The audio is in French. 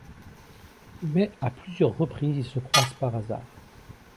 Mais, à plusieurs reprises, ils se croisent par hasard.